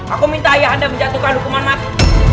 aku minta ayah anda menjatuhkan hukuman mati